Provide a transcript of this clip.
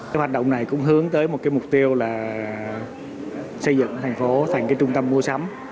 tại đây chúng tôi cũng hướng tới một mục tiêu là xây dựng thành phố thành trung tâm mua sắm